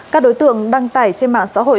các đối tượng đăng tải trên mạng xã hội